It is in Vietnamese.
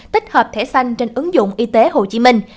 tích hợp thẻ xanh trên ứng dụng y tế hồ chí minh